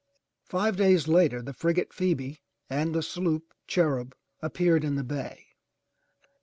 Five days later the frigate Phoebe and the sloop Cherub appeared in the bay.